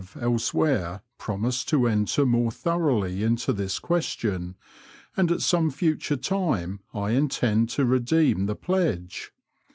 81 elsewhere promised to enter more thoroughly into this question, and at some future time 1 intend to redeem the pledge.